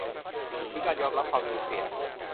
หรือการยอมรับความสูญเสีย